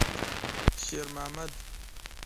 شېرمحمد.